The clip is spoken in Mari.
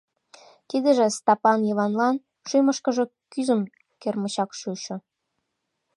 Тидыже Стапан Йыванлан шӱмышкыжӧ кӱзым кермычак чучо.